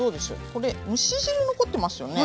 これ蒸し汁残ってますよね。